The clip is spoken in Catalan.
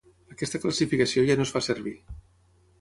Aquesta classificació ja no es fa servir.